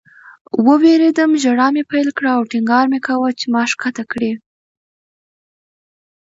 ووېرېدم. ژړا مې پیل کړه او ټینګار مې کاوه چې ما ښکته کړئ